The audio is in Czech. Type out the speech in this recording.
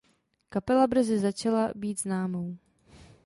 Kapela brzy začala být známou.